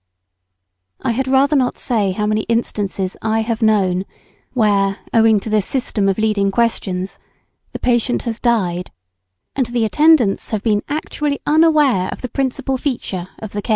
I had rather not say how many instances I have known, where, owing to this system of leading questions, the patient has died, and the attendants have been actually unaware of the principal feature of the case.